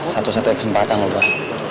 satu satunya kesempatan loh bah